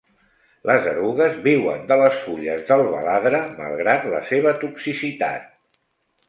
Les erugues viuen de les fulles del baladre malgrat la seva toxicitat.